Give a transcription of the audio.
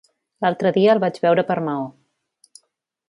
L'altre dia el vaig veure per Maó.